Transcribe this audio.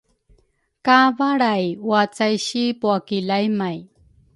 ka valray wacaishi pua ki laymay.